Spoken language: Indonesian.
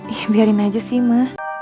ya biarin aja sih ma